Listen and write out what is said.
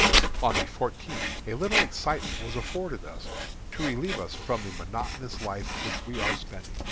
On the fourteenth a little excitement was afforded us, to relieve us from the monotonous life which we are spending.